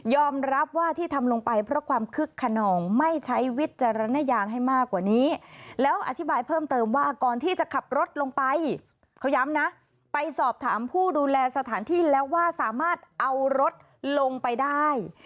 ยอมรับว่าที่ทำลงไปเพราะความคึกขนองไม่ใช้วิจารณญาณให้มากกว่านี้